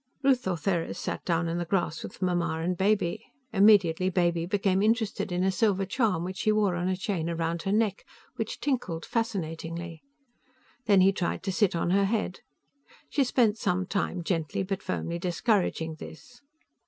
Ruth Ortheris sat down on the grass with Mamma and Baby. Immediately Baby became interested in a silver charm which she wore on a chain around her neck which tinkled fascinatingly. Then he tried to sit on her head. She spent some time gently but firmly discouraging this.